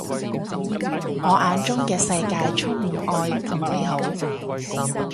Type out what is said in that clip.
我眼中嘅世界充滿愛同美好